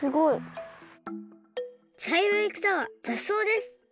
ちゃいろいくさはざっそうです。